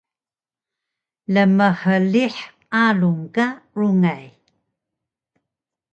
lmhlih arung ka rungay